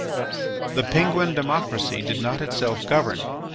The Penguin democracy did not itself govern.